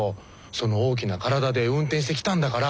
その大きな体で運転してきたんだから。